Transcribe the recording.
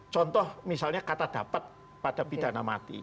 contoh misalnya kata dapat pada pidana mati